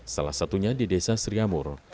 salah satunya di desa sri amur